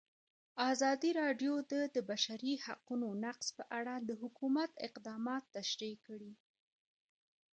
ازادي راډیو د د بشري حقونو نقض په اړه د حکومت اقدامات تشریح کړي.